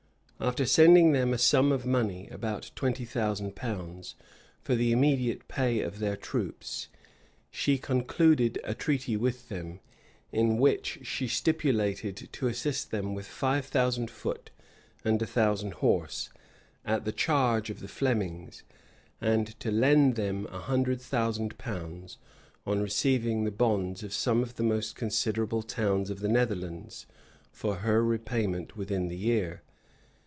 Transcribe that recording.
After sending them a sum of money, about twenty thousand pounds, for the immediate pay of their troops, she concluded a treaty with them; in which she stipulated to assist them with five thousand foot and a thousand horse, at the charge of the Flemings; and to lend them a hundred thousand pounds, on receiving the bonds of some of the most considerable towns of the Netherlands, for her repayment within the year.